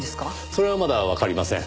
それはまだわかりません。